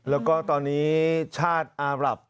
แล้วก็ตอนนี้ชาติอารับ